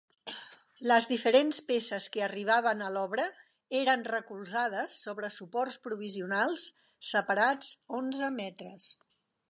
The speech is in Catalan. Les diferents peces que arribaven a l'obra eren recolzades sobre suports provisionals separats onze metres.